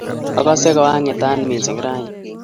Agase ko a ng'etat msing ra ini.